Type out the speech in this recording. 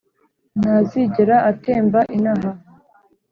Ntazigera atemba inaha